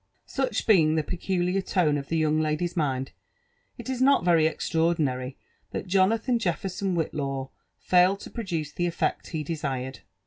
Such being the peculiar tone of the young lady's mind, it is not very extraordinary thai lonathan leiTerson Whidaw failed to produce the effect he desired.